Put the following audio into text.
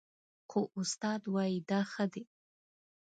خو استاد وايي دا ښه دي